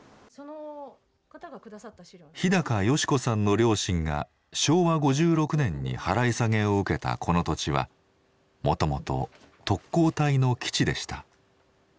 日芳子さんの両親が昭和５６年に払い下げを受けたこの土地はもともと特攻隊の基地でした。